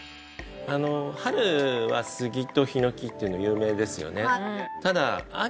春はスギとヒノキっていうの有名ですよね